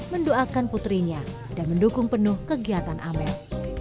mendoakan putrinya dan mendukung penuh kegiatan amel